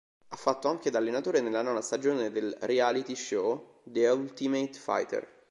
Ha fatto anche da allenatore nella nona stagione del reality show "The Ultimate Fighter".